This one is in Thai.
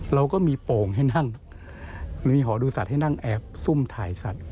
เราก็มีโป่งให้นั่งมีหอดูสัตว์ให้นั่งแอบซุ่มถ่ายสัตว